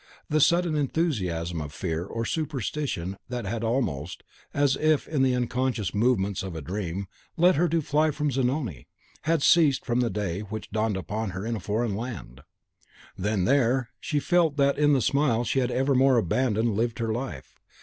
The sudden enthusiasm of fear or superstition that had almost, as if still in the unconscious movements of a dream, led her to fly from Zanoni, had ceased from the day which dawned upon her in a foreign land. Then there she felt that in the smile she had evermore abandoned lived her life.